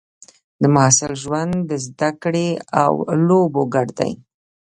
د محصل ژوند د زده کړې او لوبو ګډ دی.